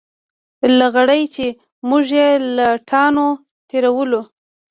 لغړی چې موږ یې له تاڼو تېرولو.